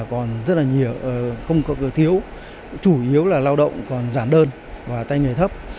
còn rất là nhiều không có thiếu chủ yếu là lao động còn giản đơn và tay nghề thấp